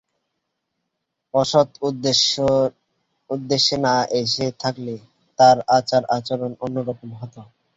অসৎ উদ্দেশে না এসে থাকলে তার আচার-আচরণ অন্য রকম হত।